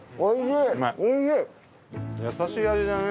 優しい味だね。